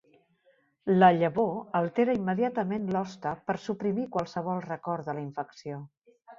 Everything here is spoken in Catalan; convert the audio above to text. La "llavor" altera immediatament l'hoste per suprimir qualsevol record de la infecció.